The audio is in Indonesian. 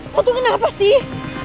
lu tuh kenapa sih